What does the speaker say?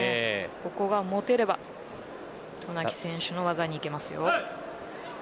ここが持てれば渡名喜選手の技にいけます。